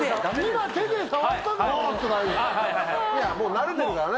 いやもう慣れてるからね。